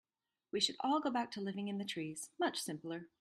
We should all go back to living in the trees, much simpler.